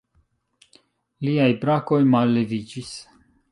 Liaj brakoj malleviĝis.